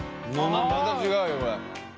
また違うよこれ。